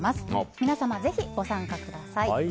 皆様、ぜひご参加ください。